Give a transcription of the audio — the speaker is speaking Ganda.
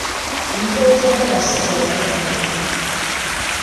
Emikolo gy'embaga si gya bagagga bokka.